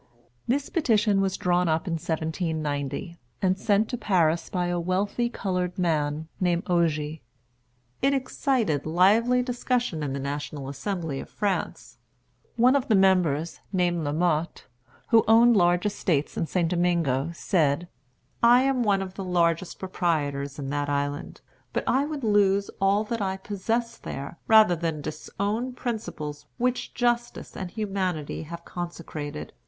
This petition was drawn up in 1790, and sent to Paris by a wealthy colored man named Ogé. It excited lively discussion in the National Assembly of France. One of the members, named Lamoth, who owned large estates in St. Domingo, said: "I am one of the largest proprietors in that island; but I would lose all that I possess there rather than disown principles which justice and humanity have consecrated.